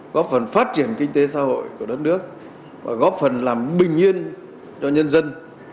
góp phần phát triển kinh tế xã hội của đất nước và góp phần làm bình yên cho nhân dân